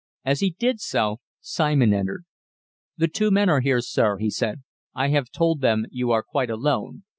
As he did so, Simon entered. "The two men are here, sir," he said. "I have told them you are quite alone.